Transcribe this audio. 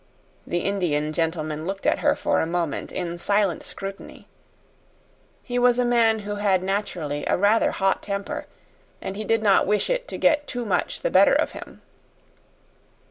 The Indian gentleman looked at her for a moment in silent scrutiny. He was a man who had naturally a rather hot temper, and he did not wish it to get too much the better of him.